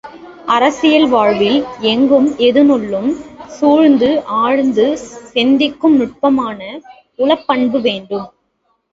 அரசியல் வாழ்வில் எங்கும் எதனுள்ளும் சூழ்ந்து ஆழ்ந்து சிந்திக்கும் நுட்பமான உளப்பண்பு வேண்டும்.